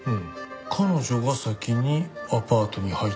彼女が先にアパートに入って。